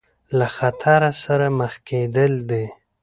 له خطر سره مخ کېدل دي.